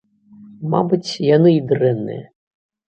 Мабыць, яны і дрэнныя!